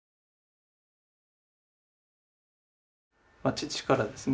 父からですね